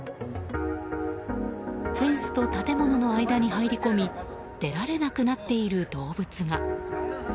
フェンスと建物の間に入り込み出られなくなっている動物が。